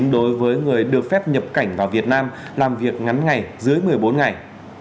đối với người được phép nhập cảnh vào việt nam làm việc ngắn ngày dưới một mươi bốn ngày